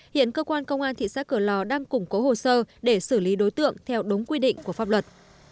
hiện cơ quan công an thị xã cửa lò đang củng cố hồ sơ để xử lý đối tượng theo đúng quy định của pháp luật